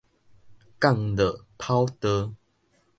降落跑道